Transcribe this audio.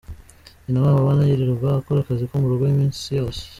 Nyina w’ abo bana yirirwa akora akazi ko mu rugo iminsi yose.